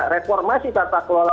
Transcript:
reformasi tata kelola